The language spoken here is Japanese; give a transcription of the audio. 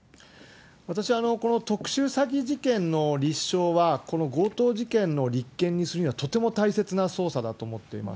私はこの特殊詐欺事件の立証は強盗事件の立件にするには、とても大切な捜査だと思っています。